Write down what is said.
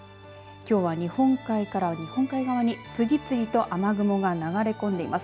きょうは日本海から日本海側に次々と雨雲が流れ込んでいます。